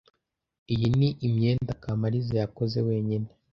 Iyi ni imyenda Kamariza yakoze wenyine.